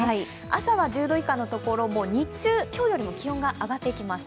朝は１０度以下のところも日中は今日より気温が上がっていきます。